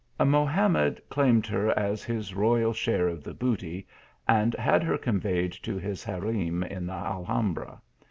Mohamed claimed her as his royal share of the booty, and had her conveyed to his harem in the Alhambra.